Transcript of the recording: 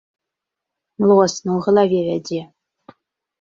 Млосна, у галаве вядзе.